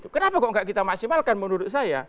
kenapa kok tidak kita maksimalkan menurut saya